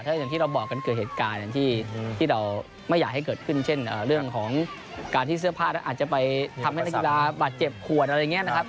ถ้าอย่างที่เราบอกมันเกิดเหตุการณ์ที่เราไม่อยากให้เกิดขึ้นเช่นเรื่องของการที่เสื้อผ้าอาจจะไปทำให้นักกีฬาบาดเจ็บหัวนะครับ